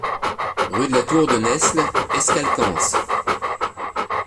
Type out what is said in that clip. Rue de la Tour de Nesle, Escalquens